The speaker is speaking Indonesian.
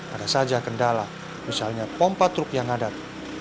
ada saja kendala misalnya pompa truk yang adat